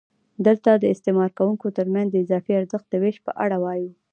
دلته د استثماروونکو ترمنځ د اضافي ارزښت د وېش په اړه وایو